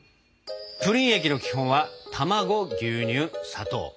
プリン液の基本は卵牛乳砂糖。